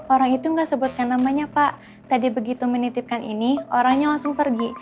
orang itu nggak sebutkan namanya pak tadi begitu menitipkan ini orangnya langsung pergi